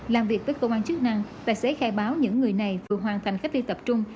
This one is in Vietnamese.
làm việc với cơ quan chức năng tài xế khai báo những người này vừa hoàn thành cách ly tập trung